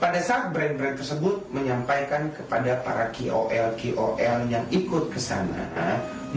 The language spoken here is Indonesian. pada saat brand brand tersebut menyampaikan kepada para kol kol yang ikut kesana